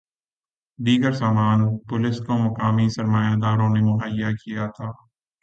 دیگر سامان پولیس کو مقامی سرمایہ داروں نے مہیا کیا تھا